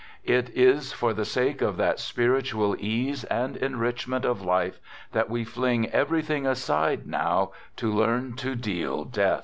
It is for the sake of that spiritual ease and enrichment of life that we fling everything aside now to learn to deal death.